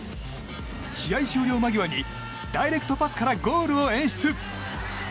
試合終了間際にダイレクトパスからゴールを演出！